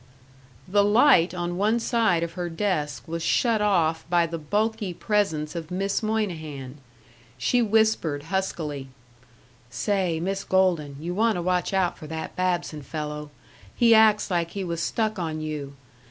The light on one side of her desk was shut off by the bulky presence of Miss Moynihan. She whispered, huskily, "Say, Miss Golden, you want to watch out for that Babson fellow. He acts like he was stuck on you.